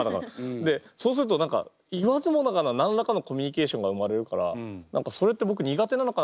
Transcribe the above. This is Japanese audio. でそうすると何か言わずもがな何らかのコミュニケーションが生まれるから何かそれって僕苦手なのかな？